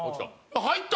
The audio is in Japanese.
入った！